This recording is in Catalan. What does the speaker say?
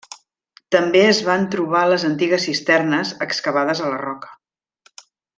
També es van trobar les antigues cisternes excavades a la roca.